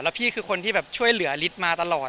พี่คือคนที่แบบช่วยเหลือฤทธิ์มาตลอด